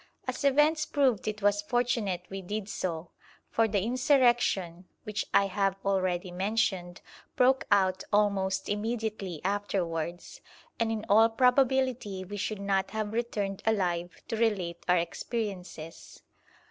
As events proved it was fortunate we did so, for the insurrection (which I have already mentioned) broke out almost immediately afterwards, and in all probability we should not have returned alive to relate our experiences.